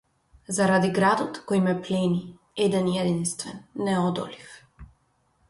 Заради градот кој ме плени - еден и единствен, неодолив.